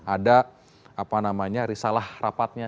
ada apa namanya risalah rapatnya